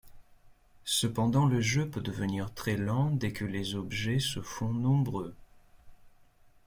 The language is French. Cependant le jeu peut devenir très lent dès que les objets se font nombreux.